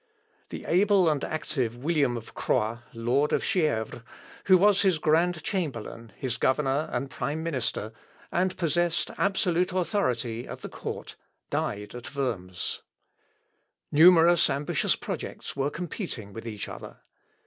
The able and active William of Croi, Lord of Chievres, who was his grand chamberlain, his governor, and prime minister, and possessed absolute authority at the court, died at Worms. Numerous ambitious projects were competing with each other.